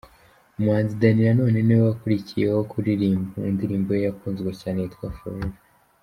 Umuhanzi Danny Nanone niwe wakurikiyeho kuririmba, mu ndirimbo ye yakunzwe cyane yitwa Forever.